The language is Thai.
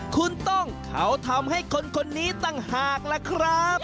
คุณต้องเขาทำให้คนคนนี้ต่างหากล่ะครับ